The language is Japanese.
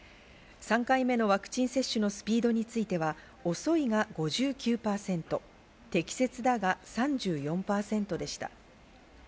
３回目のワクチン接種のスピードについては遅いが５９％、適切だが３４％でした。